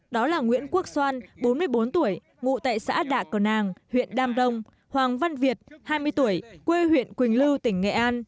đó là nguyễn quốc xoan bốn mươi bốn tuổi ngụ tại xã đạ cờ nàng huyện đam rồng hoàng văn việt hai mươi tuổi quê huyện quỳnh lưu tỉnh nghệ an